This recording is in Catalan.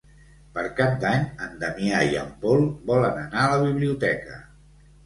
Per Cap d'Any en Damià i en Pol volen anar a la biblioteca.